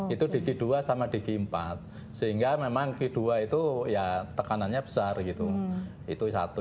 itu digi dua sama di g empat sehingga memang q dua itu ya tekanannya besar gitu itu satu